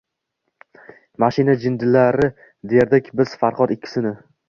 Mashina jinnilari derdik biz Farhod ikkisini